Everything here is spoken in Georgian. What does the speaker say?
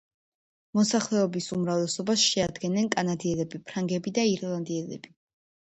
მოსახლეობის უმრავლესობას შეადგენენ კანადელები, ფრანგები და ირლანდიელები.